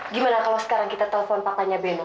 gimana kalau sekarang kita telepon papanya belok